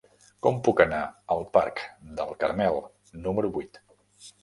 Com puc anar al parc del Carmel número vuit?